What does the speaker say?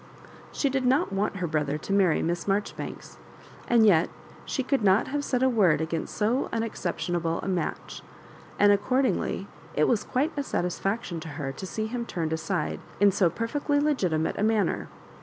She did not want, her brother to marry Miss Marjori banks, and yet she could not have said a word against so unexceptionable a match ; and accord ingly it was quiie a satisfaction to her to see him turned aside in so perfectly legitimate a manner.